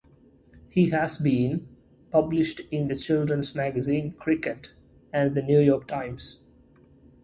He has been published in the children's magazine "Cricket", and the "New York Times".